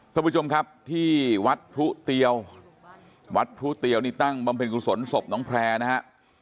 ท่านผู้ชมครับที่วัดพรุเตียววัดพรุเตียวนี่ตั้งบำเพ็ญกุศลศพน้องแพร่นะฮะ